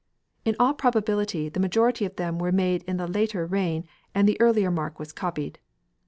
In all probability the majority of them were made in the later reign and the earlier mark was copied.